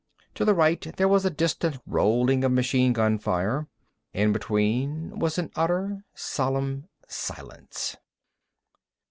To the right there was a distant rolling of machine gun fire. In between was an utter, solemn silence.